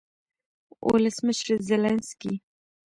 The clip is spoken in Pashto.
ولسمشرزیلینسکي